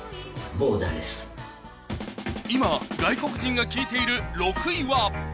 今外国人が聴いている６位は